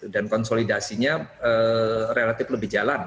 dan konsolidasinya relatif lebih jalan